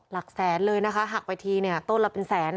หลักแสนเลยนะคะหักไปทีต้นละเป็นแสน